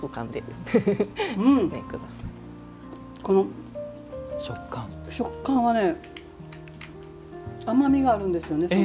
うん、食感はね甘みがあるんですよね